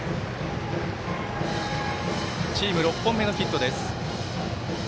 チーム６本目のヒットです。